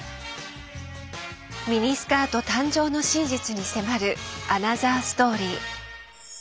ミニスカート誕生の真実に迫るアナザーストーリー。